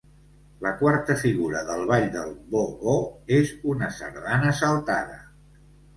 La quarta figura del Ball del Bo-bo és una sardana saltada.